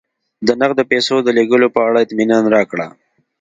د نغدو پیسو د لېږلو په اړه اطمینان راکړه